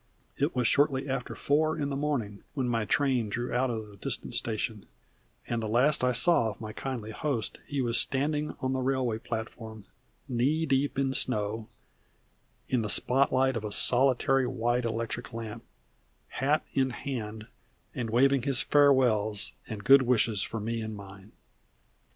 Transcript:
It was shortly after four in the morning when my train drew out of the distant station, and the last I saw of my kindly host he was standing on the railway platform, knee deep in the snow, in the spotlight of a solitary white electric lamp, hat in hand, and waving his farewells and good wishes for me and mine.